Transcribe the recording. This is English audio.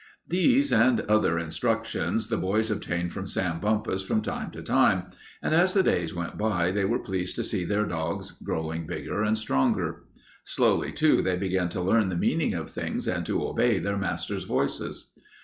These and other instructions the boys obtained from Sam Bumpus from time to time, and as the days went by they were pleased to see their dogs growing bigger and stronger. Slowly, too, they began to learn the meaning of things and to obey their masters' voices.